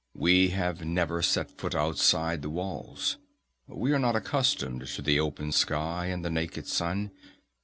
We have never set foot outside the walls. We are not accustomed to the open sky and the naked sun.